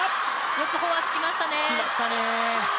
よくフォアつきましたね。